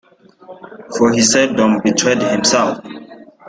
For he seldom betrayed himself.